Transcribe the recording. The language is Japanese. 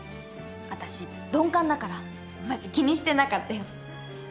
あたし鈍感だからマジ気にしてなかったよ。